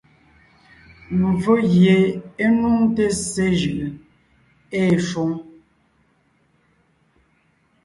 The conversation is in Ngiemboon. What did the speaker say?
Mvfó gie é nuŋte ssé jʉʼʉ ée shwoŋ.